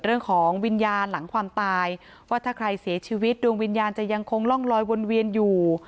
เรื่องของวิญญาณหลังความตายว่าถ้าใครเสียชีวิตดวงวิญญาณจะยังคงร่องลอยวนเวียนอยู่